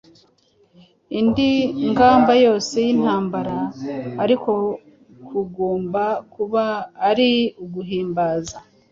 indi ngamba yose y’intambara, ariko kugomba kuba ari uguhimbaza